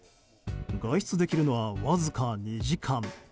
外出できるのは、わずか２時間。